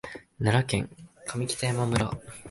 奈良県上北山村